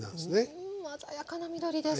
うん鮮やかな緑です！